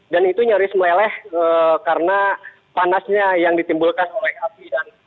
dan itu nyaris meleleh karena panasnya yang ditimbulkan oleh api dan